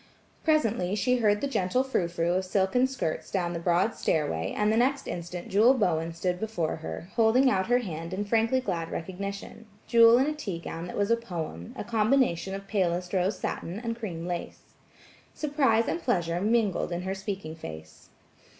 Presently she heard the gentle frou frou of silken skirts down the broad stairway and the next instant Jewel Bowen stood before her, holding out her hand in frankly glad recognition–Jewel in a tea gown that was a poem, a combination of palest rose satin and cream lace. Surprise and pleasure mingled in her speaking face.